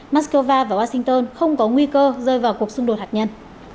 moscow và washington không có nguy cơ rơi vào cuộc xung đột hạt nhân